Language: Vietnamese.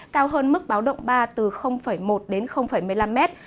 cao hơn mức báo động ba từ một đến một mươi năm mét